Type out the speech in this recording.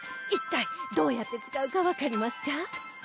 一体どうやって使うかわかりますか？